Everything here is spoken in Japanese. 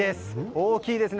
大きいですよね。